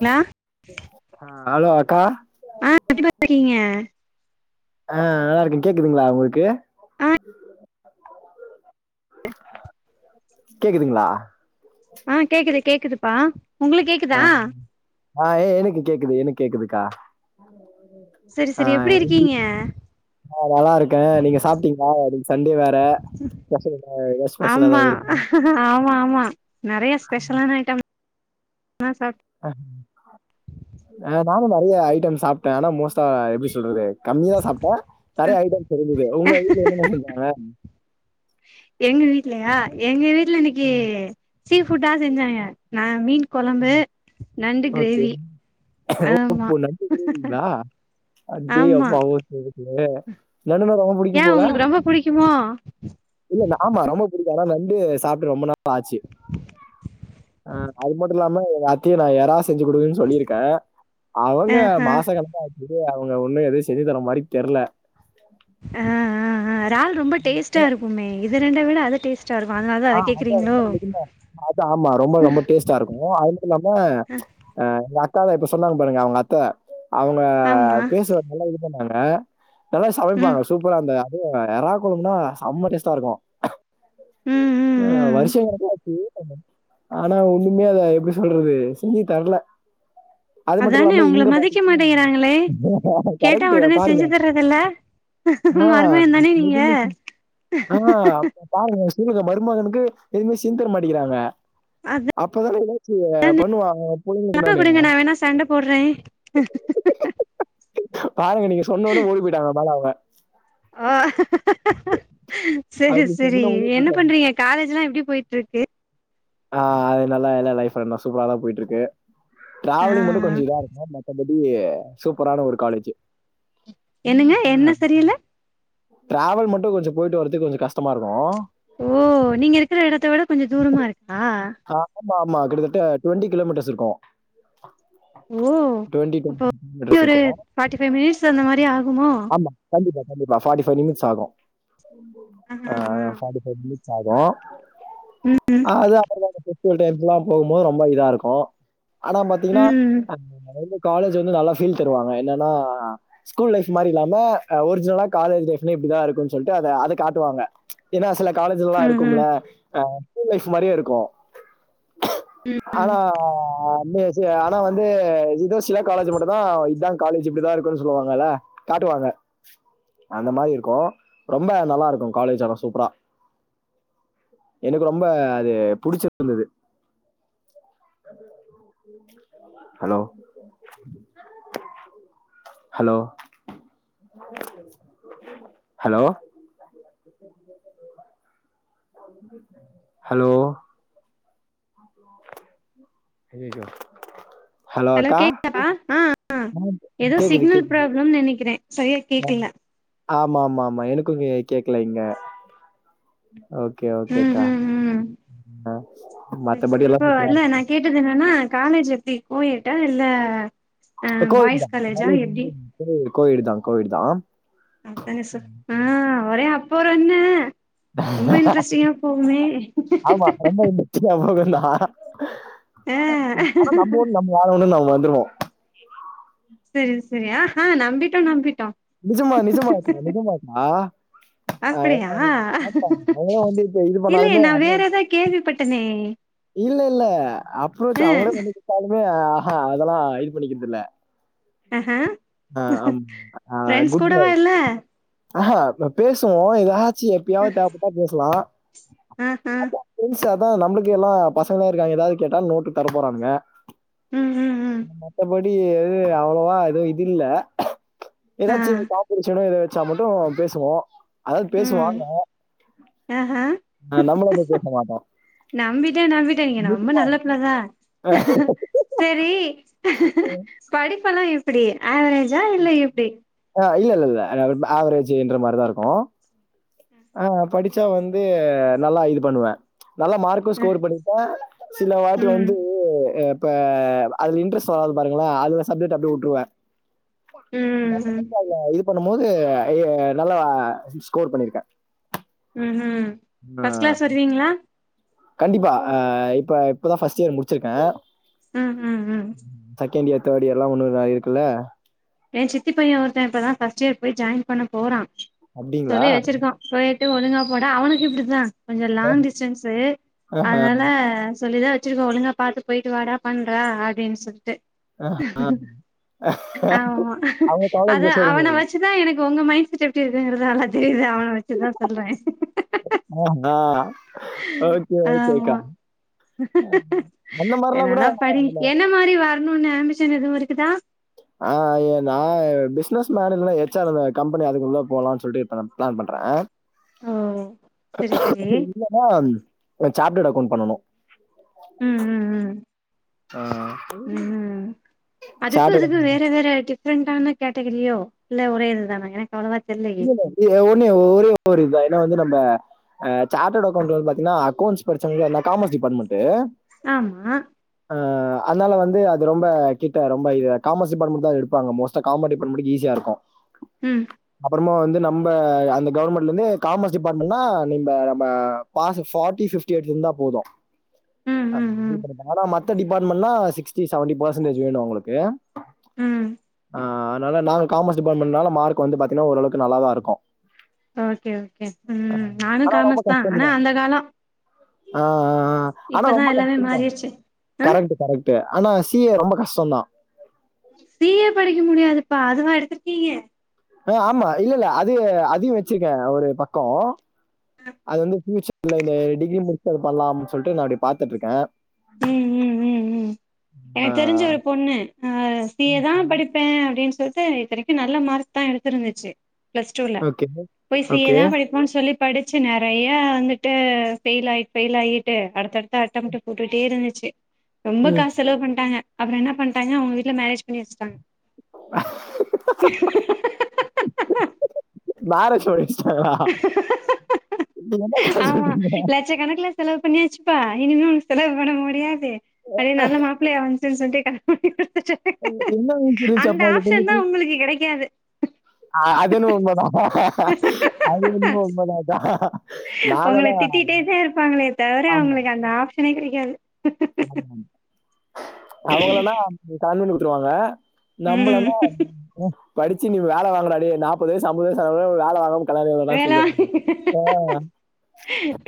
ன அ அலோ அக்கா ஆ எப்டிப்பா இருக்கீங்க ஆ நல்லா இருக்கே கேக்குதுங்ளா உங்ளுக்கு ஆ கேக்குதுங்களா ஆ கேக்குது கேக்குதுப்பா உங்களுக் ஆ கேக்குதா ஆ ஏ எனுக் கேக்குது எனக் கேக்குதுக்கா சரி ஆ சரி எப்டி இருக்கீங்க ஆ நல்லா இருக்கே நீங்க சாப்பிட்டீங்ளா அதுக்கு சண்டே வேற ஸ்பஷல்தா எதா ஸ்பெஷலா தா ஆமா வேறு ஆமா ஆமா நெறைய ஸ்பெஷலான ஐட்டம் சாப் ஆ நானு நெறைய ஐட்டம் சாப்டே ஆனா மோஸ்ட்டா எப்டி சொல்றது கம்மி தா சாப்ட்டா நெறைய ஐட்டம் தெரிஞ்சது உங்க வீட்ல என்னென்ன செஞ்சாங்க எங்க வீட்லயா எங்க வீட்ல இன்னிக்கி சீ புட்டா செஞ்சாங்க நா மீன் குழம்பு நண்டு ஓகே கிரேவி ஆமா அடே ஆமா அப்பா [unintelligible] நண்டுனா ரொம்ப புடிக்கும் ஏன் போல உங்களுக்கு ரொம்ப புடிக்குமோ இல்ல நா ஆமா ரொம்ப புடிக்கு ஆனா வந்து சாப்பிட்டு ரொம்ப நாள ஆச்சு ஆ அது இல்லாம எங்க அத்தியு நா எறா செஞ்சு குடுங்குன் சொல்லிருக்கே அவங்க ஆஹா மாச கலம இதே அவங்க ஒண்ணு எதே செனித்தர மாதிரி தெரில ஆ ஆ அ ரால் ரொம்ப டேஸ்ட்டா இருக்குமே இது ரெண்ட விட அது டேஸ்ட்டா இருக்கு அதனால தா ஆ அத கேக்குறீங்களோ ரொம்ப மிக அத ஆமா ரொம்ப ரொம்ப டேஸ்டா இருக்கும் அது மட்டு இல்லாம அ எங்க அக்காதான் இப்ப சொன்னாங்க பாருங்க அவங்க அத்தை அவங்க ஆமா பேசுவ நல்லா இது பண்ணாங்க நல்ல ம் சமைப்பாங்க சூப்பரா அந்த அதுவும் எற குழம்புனா செம்ம டேஸ்டா இருக்கு ம் ம் ஆ ம் வருஷ கனக்காச்சு ஆனா ஒண்ணுமே அத எப்படி சொல்றது செஞ்சி தரல அது மட்டும் அதானே இல்லாம உங்கள இங்க மதிக்க பாத்தீங்கன்னா மாட்டேங்கிறாங்களே கேட்டா கரெக்ட் உடனே பாருக் செஞ்சு தர்றதில்ல ஆ மருமகன் தானே நீங்க ஆ அப் பாருங்க சங்க மருமகனுக்கு எதுவுமே செஞ்சித்தர மாட்டிக்கிறாங்க அது அப்பதானே ஏதாச்சு பண்ணுவா பிள்ளைங்களுக்கு நானு ஹிஹிஹி பாருங்க நீங்க சொன்னோனே ஓடி போயிட்டாங்க மேல அவங்க ஆ சரி அப்படி சரி சொன்ன உடனே- என்ன பண்றீங்க காலேஜ்லாம் எப்படி போயிட்டு இருக்கு ஆ அது நல்லா எல்லா லைஃப் சூப்பரா தான் போயிட்டு இருக்கு ஆ டிராவலிங் மட்டு கொஞ்ச இதா இருக்கு மத்த ப்படிய சூப்பரான ஒரு காலேஜு என்னங்க என்ன சரியில்ல டிராவல் மட்டும் கொஞ்சம் போயிட்டு வரதுக்கு கொஞ்ச கஷ்டமா இருக்கு ஓ நீங்க இருக்கிற இடத்த விட கொஞ்ச தூரமா இருக்கா ஆ ஆமா ஆமா கிட்டத்தட்ட டுவெண்டி கிலோமீட்டர்ஸ் இருக்கு ஓ ட்வெண்டி கிலோ அப்போ மீட்டர்ஸ் இருக்கும் ஃபார்ட்டி ஃபைவ் மினிட்ஸ் அந்த மாரி ஆகுமோ ஆமா கண்டிப்பா கண்டிப்பா ஃபார்ட்டிஃபைவ் நிமிட்ஸ் ஆகும் ஆ ம் சாதம் அ அதான் ல்லாம் போகும்போது ரொம்ப இதா இருக்கு ஆனா பாத்தீங்கன்னா ம் காலேஜ் வந்து நல்லா ஃபீல் தருவாங்க என்னன்னா ஸ்கூல் லைஃப் மாதிரி இல்லாம ஒரிஜினலா காலேஜ் லைப்ல இப்டிதா இருக்கு சொல்லிட்டு அத காட்டுவாங்க ஏன்ன சில காலேஜ்லல்லாம் இருக்கும்ல ம் அ ஸ்கூல் லைஃப் மாரியே இருக்கு ம் ஆனா வந்து ஆனா வந்து இதுதா சில காலேஜ்ல மட்டு தான் இதுதான் காலேஜ் இப்டிதான் இருக்குன்னு சொல்லுவாங்கல்ல காட்டுவாங்க அந்த மாதிரி இருக்கு ரொம்ப நல்லா இருக்கு காலேஜ் ஆனா சூப்பரா எனக்கு ரொம்ப அது புடிச்சு இருந்தது ஹலோ ஹலோ ஹலோ ஹலோ அய்யய்ய ஹலோ கேக்குதாப்பா ஆ ஏதோ கேக்குது சிக்னல் கேக்குது. ப்ராப்ளம்னு நினைக்கிறே சரியா கேக்கல ஆமா ஆமா ஆமா எனக்கு கேக்கல இங்க ஓகே ம் ஓகேக்கா ம் ம் மத்தபடி எல்லா சுப்பாரா இருக்கு து என்னன்னா காலேஜ் எப்படி கோயட்ட இல்ல ஆ கோயட் பாய்ஸ் தா காலேஜா எப்டி கோயட் தா கோயட் தா ஆ ஒரே அப்போறென்ன ரொம்ப இன்ட்ரெஸ்ட்டிங்கா போகுமே ஆமா ரொம்ப இல்ல நாம எப்பினா ஆ ஆனா நம்ம உண்டு நம்ம வேல உண்டுனு நம்ம வந்துருவோ செரி செரி ஆ ஹா நம்பிட்டோ நம்பிட்டோ நிஜமா நிஜமாக்கா நிஜமாக்கா அப்டியா [inaudible] வந்து இது இல்லையே பண்ணாலுமே நா அற வேற ஏதா கேள்விப்பட்டனே இல்ல இல்ல அப்றோச் ஆ அவங்கள வந்து கூப்ட்டாலுமே அதெல்லா இது பண்ணிக்கிற்தில்ல ஆஹா ஆ அம் அ ஃப்ரெண்ட்ஸ் குட் கூடவா பாய் இல்ல ஆ ஹ ப்ப பேசுவோ எதாச்சு எப்பயாவது தேவபட் ட்டா பேசலா ஆ ஆ அப்ப ஃப்ரென்ஸ் அதா நம்ளுக் முக்கியமா பசங்களா இருக்காங்க ஏதாவது கேட்டா நோட்டு தர போறாங்க ம் ம் ம் மத்தப டி அவ்வளவா எது இது இல்ல ஆ ஏதாச்சு காப்பியடிச்சானா சிரிச்சா மட்டு பேசுவோ அதாவது ம் பேசுவாங்க ஆஹா நம்மளா போய் பேச மாட்டோ நம்பிட்டே நம்பிட்டேன நீங்க ரொம்ப நல்ல பிள்ளதா செரி படிப்பல்லா எப்டி ஆவரேஜா இல்ல எப்டி ஆ இல்லல்ல நா ரொம்ப ஆவரேஜ்ஜின்ற மாதிரிதா இருக்கு ஆ படிச்சா வந்து நல்லா இது பண்ணுவே நல்லா மார்க் அ ஸ்கோர் பண்ணித்தா சில வாட்டி ம் வந்து அ இப்ப அதுல இன்டரஸ்ட் வராது பாருங்களே அதுல சப்ஜெக்ட் அப்டியே வுட்டுருவே ம் மத்த ம் மட்டு அல்ல இது பண்ணும் போது இத நல்ல ஸ்கோர் பண்ணிருக்கே ம் ஹ்ம் ஃபர்ஸ்ட் கிளாஸ் வருவீங்ளா கண்டிப்பா ஆ இப்ப இப்பதா ஃபர்ஸ்ட் இயர் முடிச்சிருக்கே ம் ம் ம் சகண்ட் இயர் தேர்ட் இயர் எல்லா உன்னு வ இருக்குல்ல ஏ சித்தி பைய ஒருத்த இப்பதா ஃபர்ஸ்ட் இயர் போய் ஜாயின் பண்ண போறா அப்படிங்களா? சொல்லி வெச்சிருக்கா போயிட்டு ஒழுங்கா போட அவனுக்கு இப்டிதா கொஞ்ச லாங் டிஸ்டன்ஸ்சு அஹ. அதனால சொல்லிதா வொச்சிருக்கோ ஒழுங்க பாத்து போயிட்டு வாடா பண்றா அப்டின்னு சொல்ட்டு அ அ ஆமா அத அவன வச்சுதா எனக்கு உங்க மைண்ட் செட் எப்டி இருக்குங்கிறது நல்லா தெரியுது அவன வெச்சுதா சொல்றே அ ஹா ஆ ஓகே ஓகேக்கா அந்த செரி மாரிலாம் கூட நல்லா படி என்ன மாதிரி வரணுன்னு ஆம்பிஷன் எதுவு இருக்குதா ஆஹ் நா பிசினஸ் மேனேஜ்ல எச் ஆர் அந்த கம்பெனி அதுக்குள்ள போலான் சொல்ட்டு பிளான் பண்றே ஓ செரி செரி இல்லனி அ சார்டட் அக்கவுண்ட் பண்ணணு ம்ம்ம் ஆ. ம்ஹ் அதுக்கு சார்ட்டர்ட் இதுக்கு வேற் வெவ்வேற டிஃப்ரெண்டான கேட்டகரியோ இல்ல ஒரே இது தானா எனக்கு அவ்ளவா தெர்லயே ஒன்னே ஒரே ஒருதா ஏனா வந்து நம்ம அ சார்ட்டட் அக்கௌவுண்ட்ஸ் வந்து பாத்தீங்கன்னா அக்கௌண்ட்ஸ் படிச்சவங்க நா காமர்ஸ் டிபாட்மெண்ட்டு ஆமா ஆ அதனால வந்து அது ரொம்ப கிட்ட ரொம்ப இது காமர்ஸ் டிபார்ட்மெண்ட்டு தா அத எடுப்பாங்க மோஸ்டா காமெர்ஸ் டிபார்ட்மெண்ட்டுக்கு ஈஸியா இருக்கு ம் அப்றோமா வந்து நம்ப அந்த கவர்மெண்ட்ல இருந்து காமர்ஸ் டிபார்ட்மெண்ட்னா நம நம்ப பாஸு ஃபார்டி பிப்டி எடுத்து இருந்தா போது ம் ம் ம் [inaudible] மத்த டிபார்ட்மெண்ட்னா சிக்டி சவன்டி பேசன்டேஜ் வேணு அவுங்களுக்கு ம் ஆ அதுனால நாங்க காமர்ஸ் டிபார்ட்மெண்ட்னால மார்க் வந்து பாத்தீங்கன்னா ஓரளவுக்கு நல்லாதா இருக்கு ஓகே ஓகே ம் நானு ஆனா காமஸ் தா ஆனா அந்த காலோ ஆ ஆ ஆ ஆனா இப்பதா ரொம்ப எல்லாமே கஷ்டம்ல மாறிருச்சு அ கரெக்டு கரெக்டு ஆனா சி ஏ ரொம்ப கஷ்டோதா சி ஏ படிக்க முடியாதுப்பா அதுவா எடுத்துருக்கீங்க ஆ ஆமா இல்லல்ல அது அதையு வச்சிருக்கே ஒரு பக்கோ அது வந்து ஃப்யூச்சர்ல இந்த டிகிரி முடிச்ச அது பண்ணலாம்னு சொல்லிட்டு நா அப்டி பாத்துட்டு இருக்கே ம் ம் ம் ம் எனக்கு தெரிஞ்ச ஒரு பொண்ணு ஆ சி ஏ தா படிப்பே அப்டின்னு சொல்லி இத்தனைக்கு நல்ல மார்க் தா எடுத்துருந்துச்சு பிளஸ் டூல ஓகே போய் சி ஏ ஓகே தா படிப் பே சொல்லி படிச்சு நெறைய வந்துட்டு பெயில் ஆயி பெயில் ஆகிட்டு அடுத்தடு த்த அட்டமடு போட்டுட்டே இருந்துச்சு ரொம்ப காசு செலவு பண்ணிட்டாங்க அப்றோ என்ன பண்ணிட்டாங்க அவங்க வீட்ல மேரேஜ் பண்ணி வச்சுட்டாங்க நார ஸ்டுடண்ஸ் அதா நீ என்ன காசு [inaudible] லெச்ச கணக்குல செலவு பண்ணியாச்சுப்பா இனிமே உனக்கு செலவு பண்ண முடியாது அதே நல்லா மாப் புளையா வந்துசுனு சொலிட்டு கல்யாணே என்னங்ன்னு புரிச்சுச்சாப்பா அந்த ஆப்ஷன் தா பொண்ணுக்கு உங்களுக்கு கெடைக்காது அ அது என்னமோ உண்ம தா அது என்னமோ உண்ம தா உங்கள திட்டிட்டே தா இருப்பாங்களே தவிர அவங்களுக்கு அந்த ஆப்ஷனே கெடைக்காது ஆமா அவங்கள தா [inaudible] விட்ருவாங்க ம் நம்மளனா படிச்சு நீ வேலை வாங்குடா டேய் நாப்பது வயசு ஐம்பது வயசு ஆகுது வேலை வாங்க வேல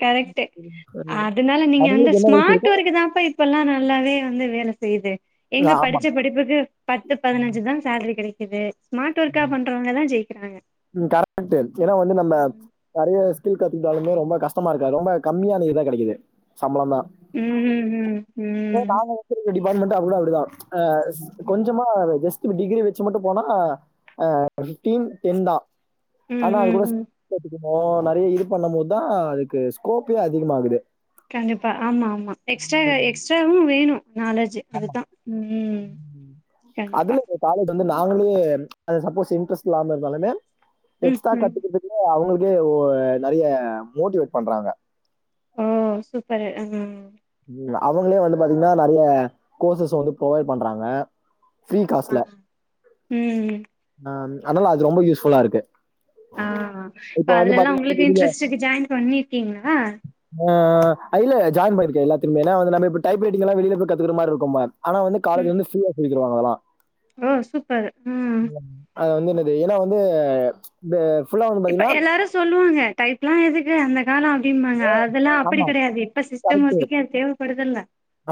கரெக்ட்டு அதுனால நீங்க வந்து அவங்களுக்கு என்ன வயசு ஸ்மார்ட் இருக்கும்? ஒர்க்கு தாப்ப இப்பெல்லா நல்லாவே வந்து வேலை செய்யுது எங்க ஆமா. படிச்ச படிப்புக்கு பத்து பதினஞ்சு தா சேலரி கிடைக்குது ஸ்மார்ட் ஒர்க்கா பண்றவங்கதா ஜெயிக்குறாங்க ம் கரெக்ட் ஏன்னா வந்து நம்ம நெறைய ஸ்கில் கத்துக்கிட்டாலுமே ரொம்ப கஷ்டமா இருக்கு ரொம்ப கம்மியான இதுதா கிடைக்குது சம்பளம் தா ம் ம் ம் ம் இதுவே நாங்க வச்சிருக்க டிபார்ட்மெண்ட் அதுவு அப்டிதா கொஞ்சமா ஜஸ் இப்ப டிகிரி வச்சு மட்டு போனா அ ஃபிப்டீன் டென் தா ம் ஆனா அது ம் கூட ம் [unintelligible] நெறைய இது பண்ணு மோதுதா அதுக்கு ஸ்கோப்பே அதிகமாகுது கண்டிப்பா ஆமா ஆமா எக்ஸ்ட்ரா எக்ஸ்ட்ராவு வேணு நாலா ஆமா ம் கண்டிப்பா அதுல போ காலேஜ் வந்து நாங்களே சப்போஸ் இ்ன்ரஸ் இல்லாம இருந்தாலுமே ம் எஸ்டரா ம் கத்துக்கக்கு அவுங்களுக்கே ஒரு நெறய மோட்டிவேட் பண்றாங்க ஓ சூப்பரு ஆ ம் அவங்களே வந்து பாத்தீங்கன்னா நெறைய கோர்சஸ் வந்து ப்ரொவைட் பண்றாங்க ஃப்ரீ ஆ காஸ்ட்ல ம் ஆ அதுனால அது ரொம்ப யூஸ்ஃபுல்லா இருக்கு ஆ இப்ப இப்போ வந்து அதுலலாம் உங்களுக்கு இன்ட்ரெஸ்ட்க்கு ஜாயின் பண்ணிருக்கீங்களா ஆ இல்ல ஜாயின் பண்ணிருக்கன் எல்லாதுலயுமே ஏனா நம்ம இப்ப டைப் ரைட்டிங் எல்லாம் வெளியில போய் கத்துக்ற மாதி இருக்மா ஆனா வந்து ம் காலேஜ்ல வந்து ஃப்ரீயா சொல்லிருவாங்க அதல்லாம் ஓ சூப்பர் ம் அது வந்து என்னது ஏன்னா வந்து இந்த ஃபுல்லா இப்ப பாத்தீங்கன்னா எல்லாரும் சொல்லுவாங்க டைப்லா எதுக்கு அந்த காலோ அப்படிம்பாங்க அதெல்லாம் அப்படி ஆமா கிடையாது இப்ப சிஸ்டம் கரெக்ட் ஒர்க்குகே அது தேவப் படுதல்ல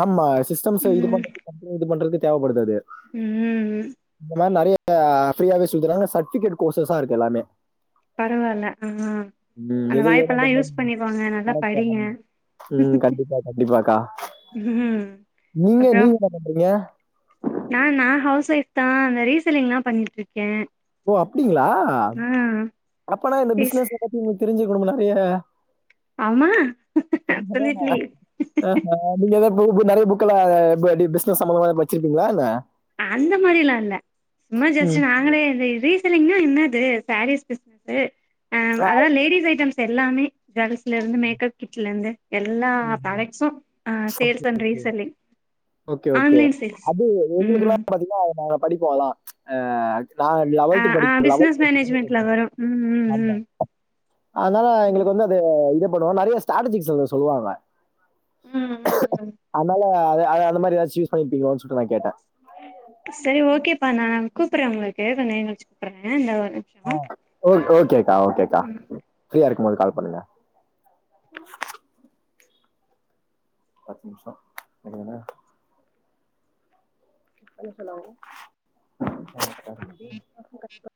ஆமா சிஸ்டம்ஸ்ஸ இது பண்றது [unintelligible] இது பண்றது தேவப்படுது அது ம் இந்த மாரி நிறைய ஃப்ரீயாவே சொல்தறாங்க சர்ட்பிகேட் கோர்சஸா இருக்கு எல்லாமே பரவால்ல ஆ ம், அந்த எது ஏனோ வாய்ப்பெல்லா யூஸ் பண்ணிப்போங்க நல்லா கரெக்டா படிங்க ம் கண்டிப்பா கண்டிப்பாக்கா ம் நீங்க அப்றோ நீங்க என்ன பண்றீங்க நா நா ஹவுஸ் ஒய்ஃப் தா அந்த ரீசெல்லிங்லா பண்ணிகிட்டுருக்கே ஓ அப்டிங்களா அப்பனா இந்த ரீஸ் பிஸ்னஸ் எல்லாத்தையும் நீங் தெரிஞ்சுக்கணும்ம நிறைய ஆமா அப்சலிட்லி ஆ நீங்க ஏதா பு பு நிறைய புக்கல ப பி பிஸ்னஸ் சம்மதமா வச்சிருப்பீங்களா என்ன அந்த மாரிலா இல்ல சும்மா ஜஸ்ட் நாங்களே எத ரீ செல்லிங்னா என்னது சாரீஸ் பிஸ்னஸ் ம் அதாவது லேடிஸ் ஐட்டம்ஸ் எல்லாமே கேர்ள்ஸ்ல இருந்து மேக்கப் கிட்ல இருந்து எல்லா ப்ராடக்ஸு ஆ sales and reselling okay okay online sales அது எங்களுக்கெல்லா ம் பாத்தீன்னா நாங்க படிப்போ அலாம் அ நாங்க ஆ லெவல்த் ஆ படிக்க பிஸ்னஸ் மேனேஜ்மெண்ட்ல லெவல்த் வரு ம் ம் [inaudible] ஆமா ம் அதனால எங்களுக்கு வந்து அது ம் இது பண்ணுவா நிறைய ஸ்டராட்டஜிக்ஸ் [unintelligible] சொல்லுவாங்க ம் ம் அத்னால அ அது அந்த மாரி ஏதாச்சு யூஸ் பண்ணிருப்பீங்களோனு சொல்லிட்டு நா கேட்டே சரி ஓகேப்பா நான் கூப்றே உங்களுக்கு கொஞ்ச நேங் கச்சி கூப்றே இந்தா வரே ஆ ஓக் ஓகேக்கா ஓகே அக்கா ம் ஃப்ரீயா இருக்கும்போது கால் பண்ணுங்க பத்து நிம்ஷோ நின்னீங்கன்னா ஹலோ ஹலோ [inaudible]